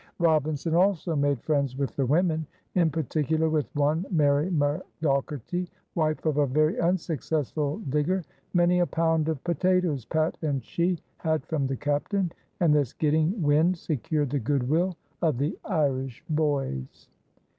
Robinson also made friends with the women, in particular with one Mary McDogherty, wife of a very unsuccessful digger. Many a pound of potatoes Pat and she had from the captain, and this getting wind secured the good will of the Irish boys.